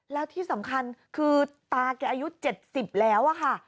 แล้วที่สำคัญคือตาแกอายุ๗๐แล้วอะค่ะ